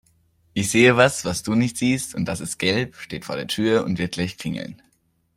Ich sehe was, was du nicht siehst und das ist gelb, steht vor der Tür und wird gleich klingeln.